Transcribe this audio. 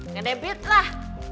ke debit lah